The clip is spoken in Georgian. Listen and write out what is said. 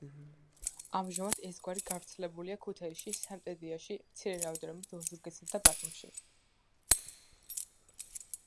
ამჟამად ეს გვარი გავრცელებულია ქუთაისში, სამტრედიაში, მცირე რაოდენობით ოზურგეთსა და ბათუმში.